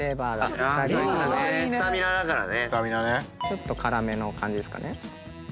ちょっと辛めの感じですかね。